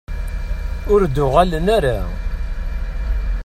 Ur d-uɣalen ara.